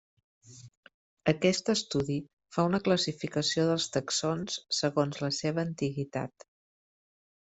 Aquest estudi fa una classificació dels taxons segons la seva antiguitat.